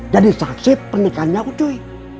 jadi saksit pernikahannya ucuy